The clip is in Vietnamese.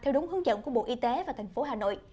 theo đúng hướng dẫn của bộ y tế và thành phố hà nội